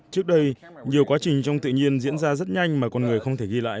trước đây nhiều quá trình trong tự nhiên diễn ra rất nhanh mà con người không thể ghi lại